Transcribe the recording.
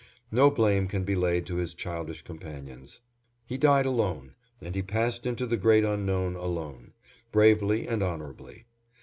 No blame can be laid to his childish companions. He died alone, and he passed into the great unknown alone, bravely and honorably.